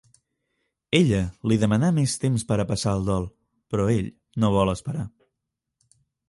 Ella li demana més temps per a passar el dol, però ell no vol esperar.